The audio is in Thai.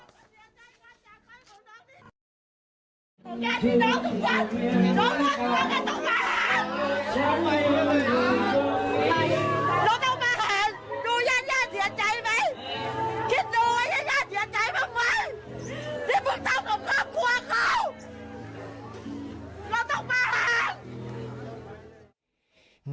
เราต้องมาหาดุงญานยาเถียดใจไหม